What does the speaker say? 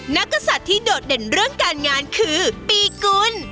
กษัตริย์ที่โดดเด่นเรื่องการงานคือปีกุล